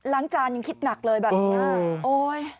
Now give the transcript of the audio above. ล้างจานยังคิดหนักเลยแบบนี้